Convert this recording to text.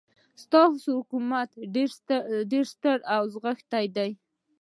ستاسو حکومت ډېر ستر او غښتلی دی.